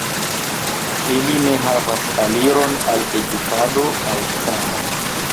Ili ne havas aliron al edukado aŭ sano.